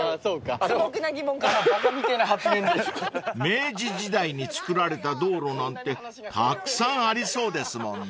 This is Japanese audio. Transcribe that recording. ［明治時代に造られた道路なんてたくさんありそうですもんね］